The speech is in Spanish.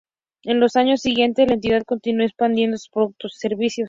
En los años siguientes, la entidad continuó expandiendo sus productos y servicios.